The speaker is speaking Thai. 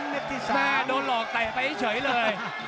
หน้าโดนหลอกแต่ไปให้เฉยเลย